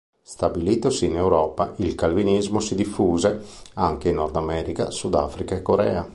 Stabilitosi in Europa, il calvinismo si diffuse anche in Nord America, Sudafrica e Corea.